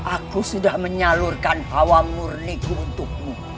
aku sudah menyalurkan hawa murniku untukmu